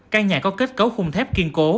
căn nhà có kết cấu khung thép kiên cố